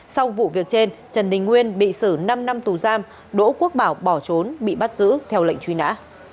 sau vụ việc trên trần đình nguyên bị xử năm năm tù giam đỗ quốc bảo bỏ trốn bị bắt giữ theo lệnh truy nã